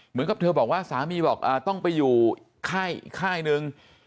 เหมือนกับเธอบอกว่าสามีบอกต้องไปอยู่ค่ายอีกค่ายหนึ่ง